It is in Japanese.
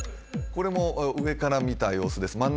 これも上から見た様子です